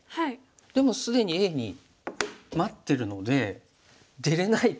でも既にＡに待ってるので出れないと。